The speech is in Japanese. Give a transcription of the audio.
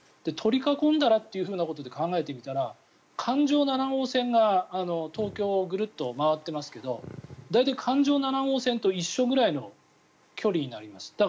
取り囲んだらということで考えてみたら環状７号線が東京をグルッと回っていますが大体、環状７号線と一緒ぐらいの距離になります。